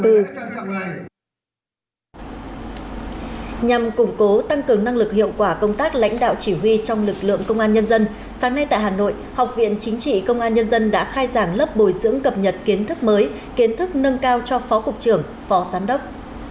nhằm củng cố tăng cường năng lực hiệu quả công tác lãnh đạo chỉ huy trong lực lượng công an nhân dân sáng nay tại hà nội học viện chính trị công an nhân dân đã khai giảng lớp bồi dưỡng cập nhật kiến thức mới kiến thức nâng cao cho phó cục trưởng phó giám đốc